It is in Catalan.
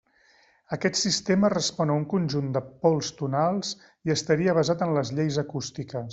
Aquest sistema respon a un conjunt de pols tonals i estaria basat en les lleis acústiques.